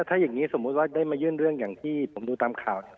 ถ้าอย่างนี้สมมุติว่าได้มายื่นเรื่องอย่างที่ผมดูตามข่าวเนี่ย